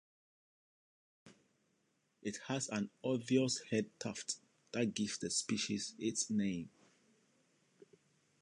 It has an obvious head tuft that gives the species its name.